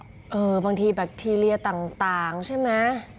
บางทีแบคทีเรียต่างใช่ไหม